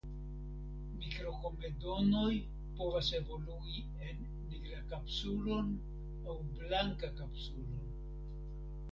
Mikrokomedonoj povas evolui en nigrakapsulon aŭ blankakapsulon.